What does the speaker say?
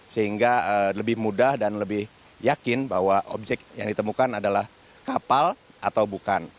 sehingga lebih mudah dan lebih yakin bahwa objek yang ditemukan adalah kapal atau bukan